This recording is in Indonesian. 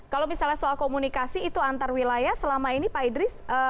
kalau misalnya soal komunikasi itu antar wilayah selama ini pak idris